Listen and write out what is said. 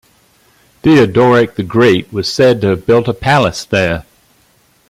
Theoderic the Great was said to have built a palace there.